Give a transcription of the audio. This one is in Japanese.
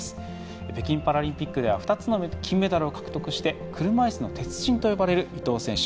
北京パラリンピックでは２つの金メダルを獲得して車いすの鉄人と呼ばれる伊藤選手。